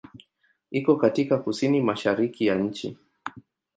Iko katika kusini-mashariki ya nchi.